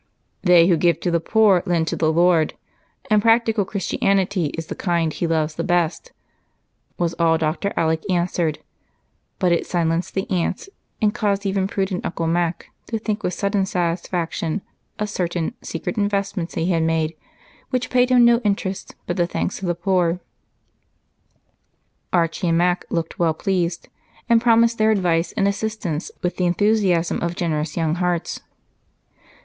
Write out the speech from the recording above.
"'They who give to the poor lend to the Lord,' and practical Christianity is the kind He loves the best," was all Dr. Alec answered, but it silenced the aunts and caused even prudent Uncle Mac to think with sudden satisfaction of certain secret investments he had made which paid him no interest but the thanks of the poor. Archie and Mac looked well pleased and promised their advice and assistance with the enthusiasm of generous young hearts.